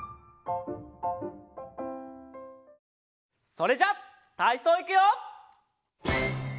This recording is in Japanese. それじゃたいそういくよ！